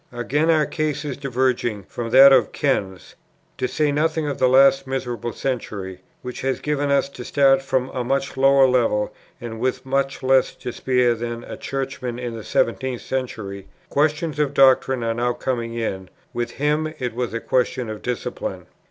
"Again, our case is [diverging] from that of Ken's. To say nothing of the last miserable century, which has given us to start from a much lower level and with much less to spare than a Churchman in the 17th century, questions of doctrine are now coming in; with him, it was a question of discipline.